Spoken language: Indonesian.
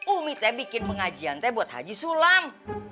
umi teh bikin pengajian teh buat haji sulam